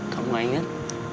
kau mau ingat